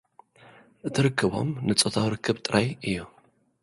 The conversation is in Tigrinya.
እቲ ርክቦም፡ ንጾታዊ ርክብ ጥራይ እዩ።